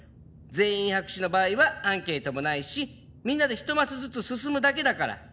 全員白紙の場合はアンケートもないしみんなで１マスずつ進むだけだから。